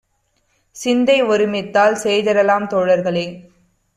சிந்தை ஒருமித்தால் செய்திடலாம் தோழர்களே!